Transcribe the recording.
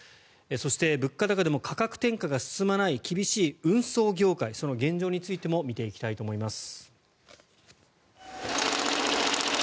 そして、物価高でも価格転嫁が進まない厳しい運送業界その現状についても見ていきたいと思います。